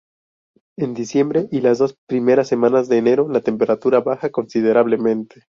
En diciembre y las dos primeras semanas de enero la temperatura baja considerablemente.